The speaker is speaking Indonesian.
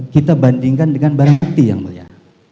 kita bandingkan dengan barang bukti yang mulia